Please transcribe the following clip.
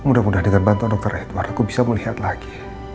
mudah mudahan dengan bantuan dokter edward aku bisa melihat lagi